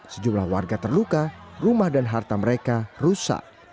sejumlah warga terluka rumah dan harta mereka rusak